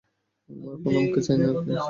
আমরা পুনমকে চাই আর কিছু না।